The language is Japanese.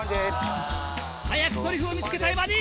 早くトリュフを見つけたいバディ。